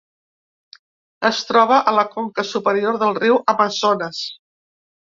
Es troba a la conca superior del riu Amazones.